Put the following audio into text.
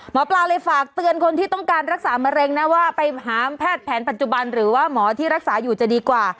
หมอปลาเลยฝากเตือนคนที่ต้องการรักษาเมริงนะว่าไปหาแพทย์แผ่นปัจจุบัน